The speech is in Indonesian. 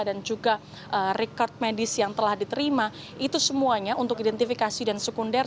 dan juga record medis yang telah diterima itu semuanya untuk identifikasi dan sekunder